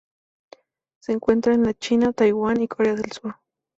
Se encuentra en la China, Taiwán y Corea del Sur.